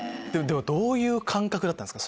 どういう感覚だったんですか？